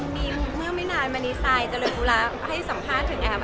มีเมื่อไม่นานมานี้ซายเจริญธุระให้สัมภาษณ์ถึงแอม